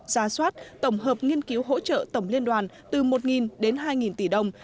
ra soát tổng hợp nghiên cứu hỗ trợ tổng liên đoàn từ một đến hai tỷ đồng